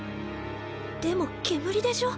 でも煙でしょ？